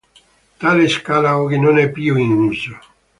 Tale scala oggi non è più in uso.